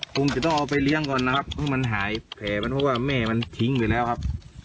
คงจะต้องเอาไปเลี้ยงก่อนนะครับเพราะมันหายแผลมันเพราะว่าแม่มันทิ้งอยู่แล้วครับ